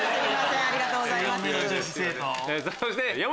ありがとうございます。